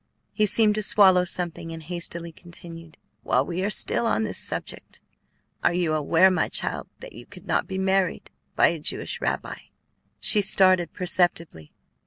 He seemed to swallow something, and hastily continued: "While we are still on this subject, are you aware, my child, that you could not be married by a Jewish rabbi?" She started perceptibly.